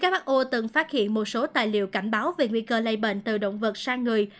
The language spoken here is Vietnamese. who từng phát hiện một số tài liệu cảnh báo về nguy cơ lây bệnh từ động vật sang người